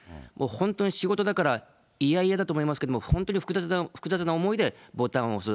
本当に仕事だから、嫌々だと思いますけれども、本当に複雑な思いでボタンを押す。